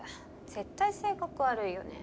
絶対性格悪いよね。